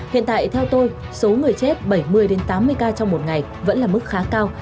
hiện tại theo tôi số người chết bảy mươi tám mươi ca trong một ngày vẫn là mức khá cao